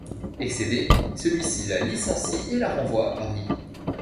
Excédé, celui-ci la licencie et la renvoie à Paris.